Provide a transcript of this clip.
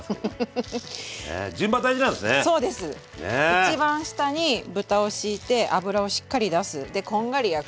１番下に豚をしいて脂をしっかり出す。でこんがり焼く。